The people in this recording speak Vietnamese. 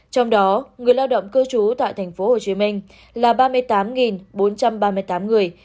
trong đó người lao động cư trú tại thành phố hồ chí minh là ba mươi tám bốn trăm ba mươi tám người